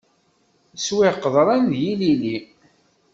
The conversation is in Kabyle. Swiɣ qeḍran d yilili.